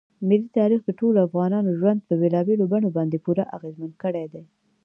ملي تاریخ د ټولو افغانانو ژوند په بېلابېلو بڼو باندې پوره اغېزمن کړی دی.